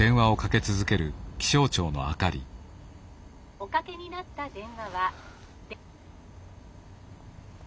「おかけになった電話は」。